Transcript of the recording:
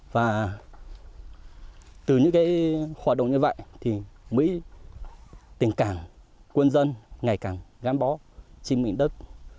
và từ những cái hoạt động như vậy thì mỹ tình cảng quân dân ngày càng gắn bó trên mệnh đất